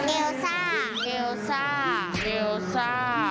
เอลซ่า